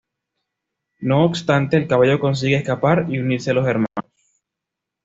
No obstante, el caballo consigue escapar y unirse a los hermanos.